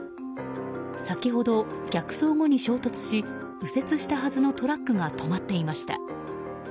先ほど、逆走後に衝突し右折したはずのトラックが止まっていました。